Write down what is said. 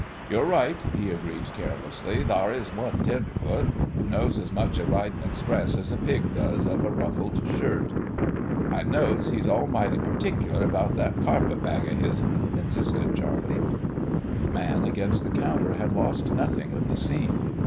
"Yo're right," he agreed, carelessly, "thar is one tenderfoot, who knows as much of ridin' express as a pig does of a ruffled shirt." "I notes he's almighty particular about that carpet bag of his'n," insisted Charley. The man against the counter had lost nothing of the scene.